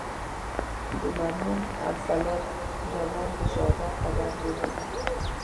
د مرحوم ارسلا جمال د شهادت خبر مې ولید.